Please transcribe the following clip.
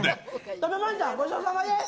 食べました、ごちそうさまです。